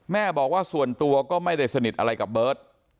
แม่บอกว่าส่วนตัวก็ไม่ได้สนิทอะไรกับเบิร์ต